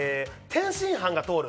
天津飯が通る